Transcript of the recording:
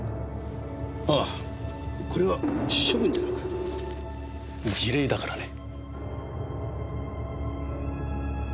あぁこれは処分じゃなく辞令だからね。